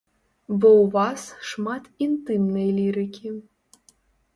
Бо ў вас шмат інтымнай лірыкі.